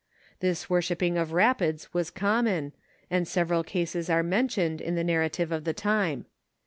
This worsihipping of rapids was common, and several cases are mentioned in tho narratives of the time.